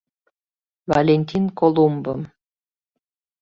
Валентин Колумбым...